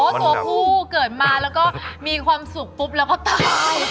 ตัวผู้เกิดมาแล้วก็มีความสุขปุ๊บแล้วก็ตาย